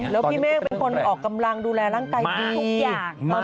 แล้วพี่เมฆเป็นคนออกกำลังดูแลร่างกายพี่ทุกอย่าง